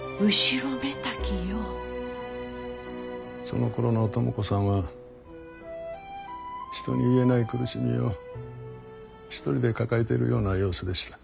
そのころの知子さんは人に言えない苦しみを１人で抱えてるような様子でした。